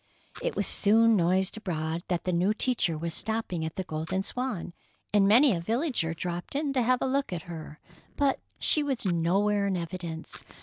It was soon noised abroad that the new teacher was stopping at the Golden Swan, and many a villager dropped in to have a look at her. But she was nowhere in evidence.